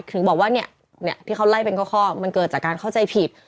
ถึงบอกว่าเนี่ยที่เขาไล่เป็นข้อมันเกิดจากการเข้าใจผิด